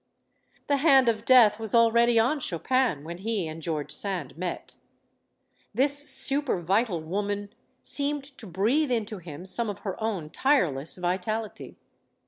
The hand of death was already on Chopin when he and George Sand met. This supervital woman seemed to breathe into him some of her own tireless vitality.